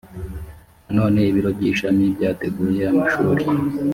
nanone ibiro by ishami byateguye amashuri